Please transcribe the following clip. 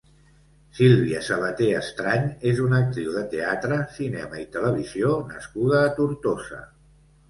Sílvia Sabaté Estrany és una actriu de teatre, cinema i televisió nascuda a Tortosa.